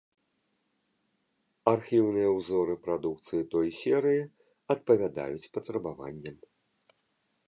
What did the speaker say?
Архіўныя ўзоры прадукцыі той серыі адпавядаюць патрабаванням.